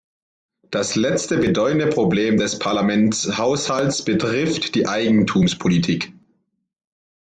Das letzte bedeutende Problem des Parlamentshaushalts betrifft die Eigentumspolitik.